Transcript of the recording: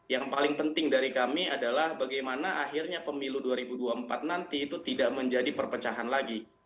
yang paling penting dari kami adalah bagaimana akhirnya pemilu dua ribu dua puluh empat nanti itu tidak menjadi perpecahan lagi